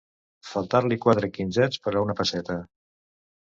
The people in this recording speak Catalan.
Faltar-li quatre quinzets per a una pesseta.